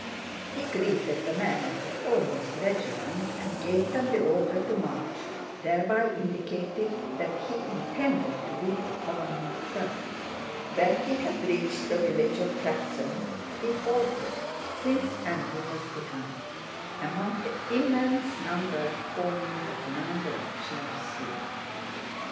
He greeted the men of the foremost regiment and gave them the order to march, thereby indicating that he intended to lead that column himself. When he had reached the village of Pratzen he halted. Prince Andrew was behind, among the immense number forming the commander in chief's suite.